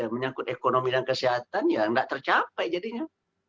menyangkut ekonomi dan kesehatan ya nggak tercapai jadinya